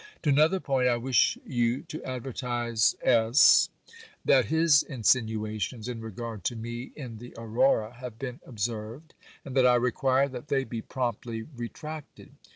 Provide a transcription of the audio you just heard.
'To another point. I wish you to advertise S——, that his insinuations in regard to me, in the Aurora, have been observed, and that I require that they be promptly retracted.